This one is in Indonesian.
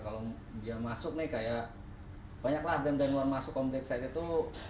kalau dia masuk nih kayak banyak lah brand brand luar masuk komplit set itu